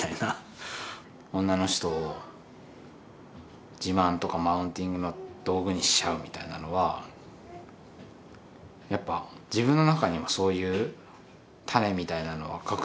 女の人を自慢とかマウンティングの道具にしちゃうみたいなのはやっぱ自分の中にもそういう種みたいなのは確実にあったし。